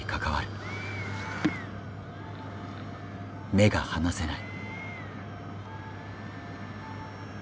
目が離せない。